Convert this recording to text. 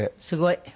すごい。